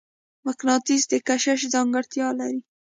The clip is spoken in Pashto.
مقناطیس د کشش ځانګړتیا لري.